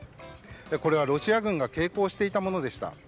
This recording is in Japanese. これはロシア軍が携行していたものでした。